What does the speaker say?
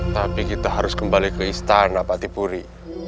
tapi kita harus kembali ke istana patipuri